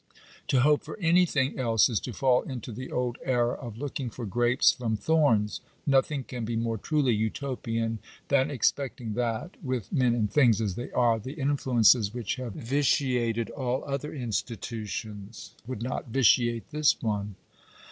To hope for anything else is to fall into the old error of looking for grapes from thorns. Nothing can be more truly Utopian than expecting that, with men and things as they are, the influences which have vitiated all other institutions would not vitiate this one.